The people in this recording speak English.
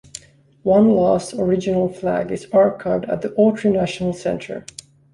One last original flag is archived at the Autry National Center.